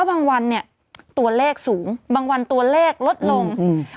บางวันเนี้ยตัวเลขสูงบางวันตัวเลขลดลงอืม